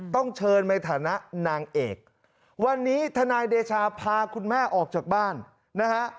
ต้องเชิญในฐานะนางเอกวันนี้ทนายเดชาพาคุณแม่ออกจากบ้านนะฮะ